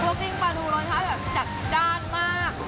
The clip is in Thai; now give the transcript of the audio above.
ครูกกิ้งปลาทูรสชาติจักรจ้านมาก